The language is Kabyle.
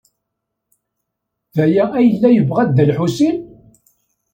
D aya ay yella yebɣa Dda Lḥusin?